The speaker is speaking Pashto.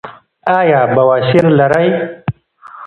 ایا بواسیر لرئ؟